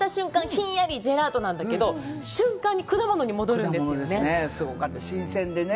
ひんやりジェラートなんだけど瞬間に果物に戻るんですよね新鮮でね